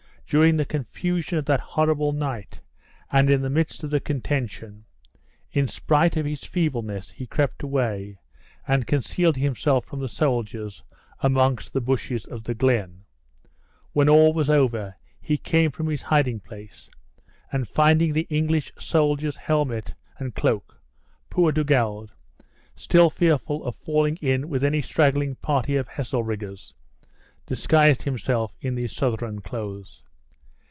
During the confusion of that horrible night, and in the midst of the contention, in spite of his feebleness he crept away, and concealed himself from the soldiers amongst the bushes of the glen. When all was over, he came from his hiding place; and finding the English soldier's helmet and cloak, poor Dugald, still fearful of falling in with any straggling party of Heselrigge's, disguised himself in those Southron clothes.